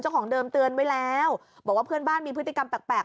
ของเดิมเตือนไว้แล้วบอกว่าเพื่อนบ้านมีพฤติกรรมแปลก